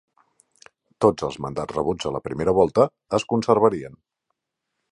Tots els mandats rebuts a la primera volta es conservarien.